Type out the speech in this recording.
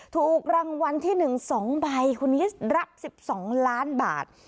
ถูกรางวัลที่๑๒ใบคุณนิสรับ๑๒ล้านบาท